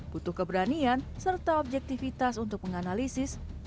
butuh keberanian serta objektivitas untuk menganalisis